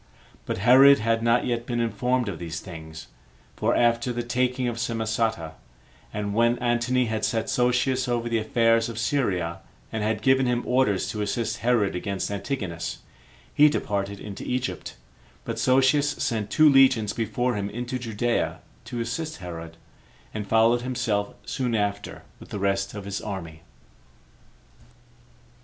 But Herod had not yet been informed of these things; for after the taking of Samosata, and when Antony had set Sosius over the affairs of Syria, and had given him orders to assist Herod against Antigonus, he departed into Egypt; but Sosius sent two legions before him into Judea to assist Herod, and followed himself soon after with the rest of his army.